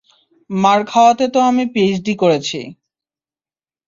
মার খাওয়াতে তো আমি পিএইচডি করেছি।